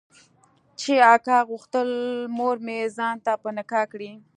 چې اکا غوښتل مورمې ځان ته په نکاح کړي.